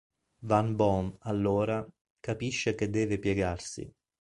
Van Bohm, allora, capisce che deve piegarsi.